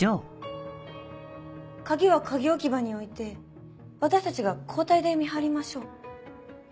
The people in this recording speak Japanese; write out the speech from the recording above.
鍵は鍵置き場に置いて私たちが交代で見張りましょう。